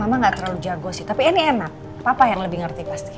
mama gak terlalu jago sih tapi ini enak papa yang lebih ngerti pasti